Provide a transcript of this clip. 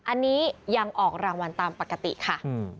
อันนี้ยังออกรางวัลตามปกติค่ะ